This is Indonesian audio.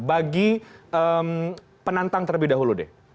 bagi penantang terlebih dahulu deh